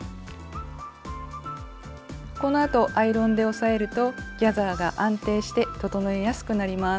このあとアイロンで押さえるとギャザーが安定して整えやすくなります。